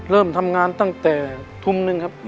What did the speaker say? เริ่มทำงานตั้งแต่ทุ่มนึงครับ